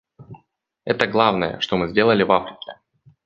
Это главное, что мы сделали в Африке.